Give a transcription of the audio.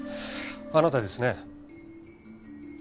あなたですね？